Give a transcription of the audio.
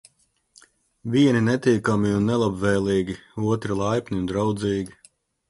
Vieni netīkami un nelabvēlīgi, otri laipni un draudzīgi.